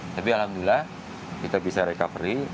tapi alhamdulillah kita bisa recovery